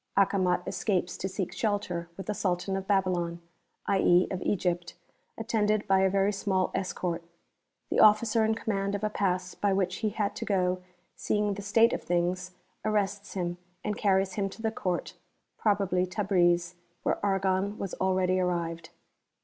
Acomat escapes to seek shelter with the Sultan of Babylon, i.e., of Egypt, attended by a very small escort. The Officer in command of a Pass by which he had to go, seeing the state of things, arrests him and carries him to the Court (probably Tabriz), where Argon was already arrived.)